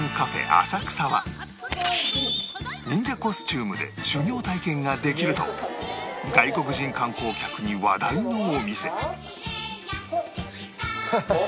浅草は忍者コスチュームで修行体験ができると外国人観光客に話題のお店ハハハ。